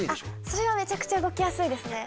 それはめちゃくちゃ動きやすいですね